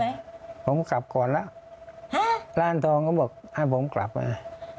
คนอื่นด้วยไหมผมกลับก่อนแล้วฮะร้านทองก็บอกให้ผมกลับมา